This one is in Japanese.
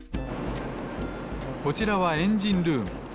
こちらはエンジンルーム。